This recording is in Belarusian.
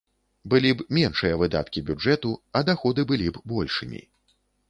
Былі б меншыя выдаткі бюджэту, а даходы былі б большымі.